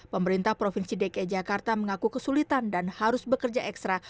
pemerintah provinsi dki jakarta mengaku kesulitan dan harus bekerja ekstra